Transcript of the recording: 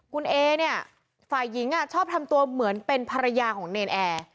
คุณเอเนี่ยฝ่ายหญิงชอบทำตัวเหมือนเป็นภรรยาของเนรนแอร์